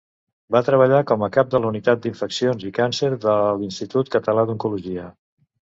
Va treballar com a cap de la Unitat d'Infeccions i Càncer de l'Institut Català d'Oncologia.